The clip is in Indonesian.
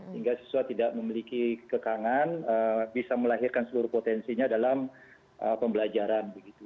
sehingga siswa tidak memiliki kekangan bisa melahirkan seluruh potensinya dalam pembelajaran